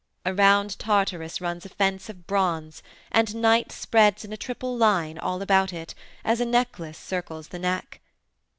Around Tartarus runs a fence of bronze and Night spreads in a triple line all about it, as a necklace circles the neck.